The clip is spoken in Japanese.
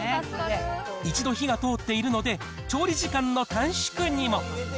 一度火が通っているので、調理時間の短縮にも。